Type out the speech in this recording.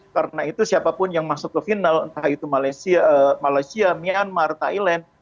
karena itu siapapun yang masuk ke final entah itu malaysia myanmar thailand